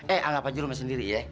eh anggap aja lu mas sendiri ya